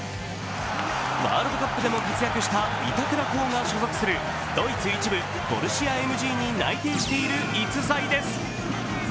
ワールドカップでも活躍した板倉滉が所属するドイツ１部・ボルシアＭＧに内定している逸材です。